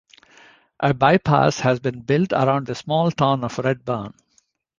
A bypass has been built around the small town of Redbourn.